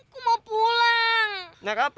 kau kepengen nangis